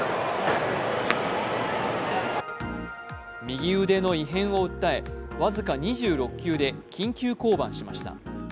右腕の異変を訴え、僅か２６球で緊急降板しました。